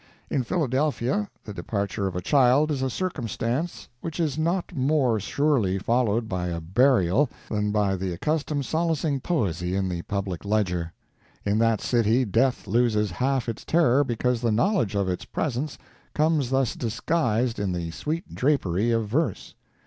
In Philadelphia, the departure of a child is a circumstance which is not more surely followed by a burial than by the accustomed solacing poesy in the Public Ledger. In that city death loses half its terror because the knowledge of its presence comes thus disguised in the sweet drapery of verse.